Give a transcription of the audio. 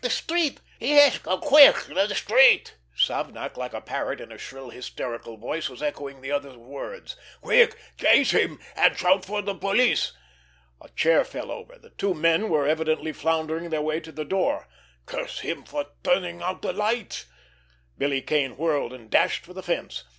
The street!" "Yes! Quick! The street!" Savnak, like a parrot, in a shrill, hysterical voice, was echoing the other's words. "Quick! Chase him! And shout for the police!" A chair fell over. The two men were evidently floundering their way to the door. "Curse him for turning out the light!" Billy Kane whirled, and dashed for the fence.